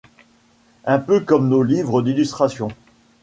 Un peu comme nos livres d'illustrations.